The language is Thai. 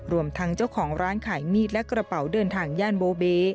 รวมทั้งเจ้าของร้านขายมีดและกระเป๋าเดินทางย่านโบเบ